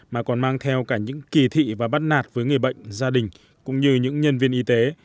mà còn mang theo cả những kỳ thị và bắt nạt với người bệnh gia đình cũng như những nhân viên y tế